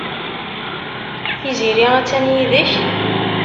Tiziri attan yid-k?